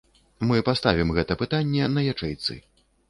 Мы паставім гэта пытанне на ячэйцы.